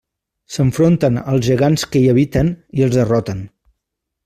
S'enfronten als gegants que hi habiten i els derroten.